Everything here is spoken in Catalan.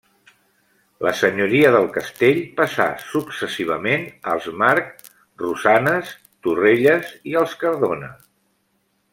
La senyoria del castell passar successivament als Marc, Rosanes, Torrelles i als Cardona.